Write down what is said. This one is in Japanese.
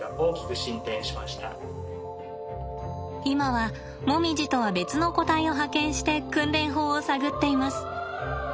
今はもみじとは別の個体を派遣して訓練法を探っています。